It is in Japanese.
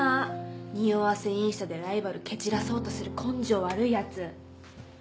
におわせインスタでライバル蹴散らそうとする根性悪いやつ。